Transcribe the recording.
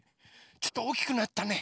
ちょっとおおきくなったね。